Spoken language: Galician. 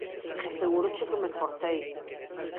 Asegúroche que me esforcei